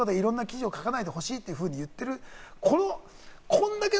推測、臆測とかで、いろんな記事を書かないでほしいと言ってる。